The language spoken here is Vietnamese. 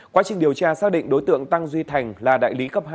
quá trình điều tra xác định đối tượng tăng duy thành là đại lý cấp hai